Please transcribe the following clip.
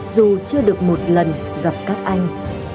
dù chưa được một lần gặp các anh